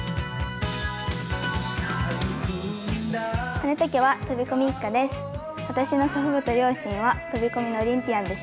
金戸家は飛込一家です。